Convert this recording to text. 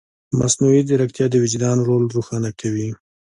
مصنوعي ځیرکتیا د وجدان رول روښانه کوي.